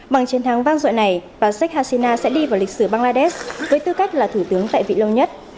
bằng chiến thắng vang dội này bà sheikh hasina sẽ đi vào lịch sử bangladesh với tư cách là thủ tướng tại vị lâu nhất